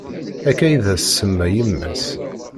Akka id as-tsemma yemm-as.